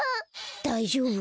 だいじょうぶ？